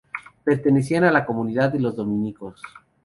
Pertenecía a la comunidad de los dominicos.